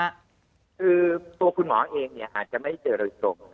อ่าคือตัวคุณหมอเองเนี่ยห้าจะไม่ได้เจอโดยตรง